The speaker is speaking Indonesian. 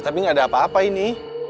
tapi gak ada apa apa ini